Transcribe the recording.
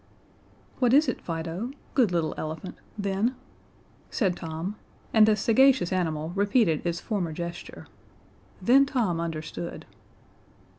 "What is it, Fido good little elephant then?" said Tom, and the sagacious animal repeated its former gesture. Then Tom understood.